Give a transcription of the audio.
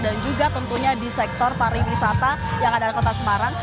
dan juga tentunya di sektor pariwisata yang ada di kota semarang